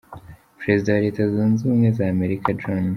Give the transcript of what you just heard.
Perezida wa Leta zunze ubumwe za Amerika John F.